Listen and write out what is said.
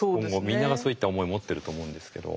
みんながそういった思い持ってると思うんですけど。